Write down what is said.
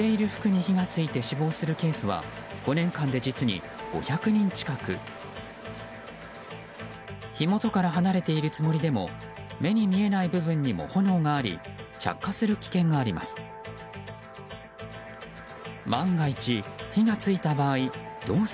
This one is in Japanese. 火元から離れているつもりでも目に見えない部分にも炎があり着火する危険があります。